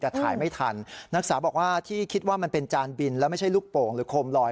แต่ถ่ายไม่ทันนักศึกษาบอกว่าที่คิดว่ามันเป็นจานบินแล้วไม่ใช่ลูกโป่งหรือโคมลอย